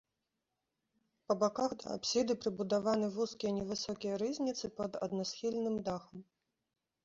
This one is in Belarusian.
Па баках да апсіды прыбудаваны вузкія невысокія рызніцы пад аднасхільным дахам.